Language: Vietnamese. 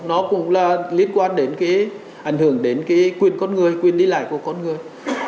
nó cũng là liên quan đến cái ảnh hưởng đến cái quyền con người quyền đi lại của con người